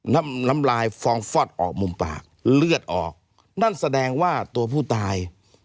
น้ำน้ำลายฟองฟอดออกมุมปากเลือดออกนั่นแสดงว่าตัวผู้ตาย